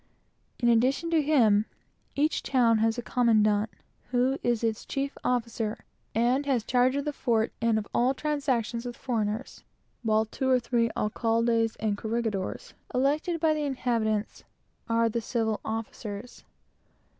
In addition to him, each town has a commandant, who is the chief military officer, and has charge of the fort, and of all transactions with foreigners and foreign vessels; and two or three alcaldes and corregidores, elected by the inhabitants, who are the civil officers.